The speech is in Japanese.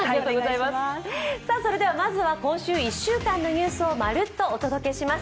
それではまずは今週１週間のニュースをまるっとお届けします。